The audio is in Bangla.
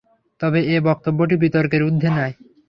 তবে এ বক্তব্যটি বিতর্কের ঊর্ধে নয়।